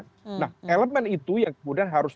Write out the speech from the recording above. nah elemen itu yang kemudian harus